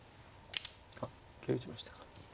あっ桂打ちましたか。